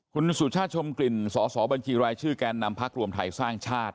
คุณสุชาติชมกลิ่นสอสอบัญชีรายชื่อแกนนำพักรวมไทยสร้างชาติ